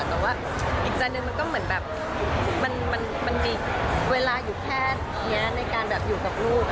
แต่ว่าอีกใจหนึ่งมันก็เหมือนแบบมันมีเวลาอยู่แค่นี้ในการแบบอยู่กับลูก